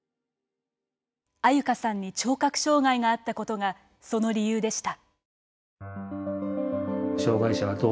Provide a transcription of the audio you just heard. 安優香さんに聴覚障害があったことがその理由でした。